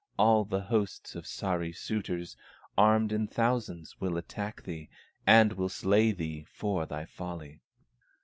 All the hosts of Sahri suitors, Armed in thousands will attack thee, And will slay thee for thy folly."